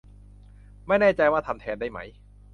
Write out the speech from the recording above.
ไม่แน่ใจว่าทำแทนได้ไหม